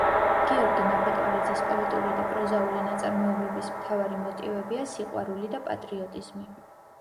გიორგი ნაფეტვარიძის პოეტური და პროზაული ნაწარმოებების მთავარი მოტივებია სიყვარული და პატრიოტიზმი.